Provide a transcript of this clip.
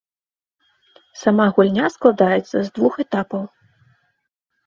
Сама гульня складаецца з двух этапаў.